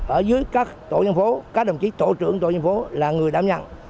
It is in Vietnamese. ở dưới các tổ dân phố các đồng chí tổ trưởng tổ dân phố là người đảm nhận